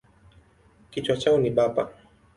Kichwa chao ni bapa.